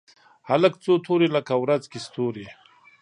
هلک څو توري لکه ورځ کې ستوري